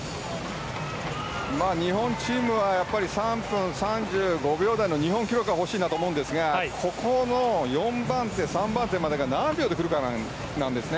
日本チームは、やっぱり３分３５秒台の日本記録が欲しいと思うんですがここの４番手、３番手までが何秒で来るかなんですね。